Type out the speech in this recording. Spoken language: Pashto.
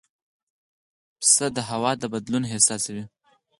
پسه د هوا بدلون احساسوي.